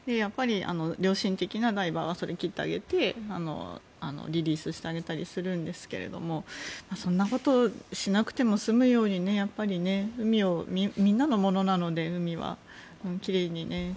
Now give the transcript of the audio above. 良心的なダイバーはそれを切ってあげてリリースしてあげたりするんですがそんなことしなくても済むようにみんなのものなので、海は。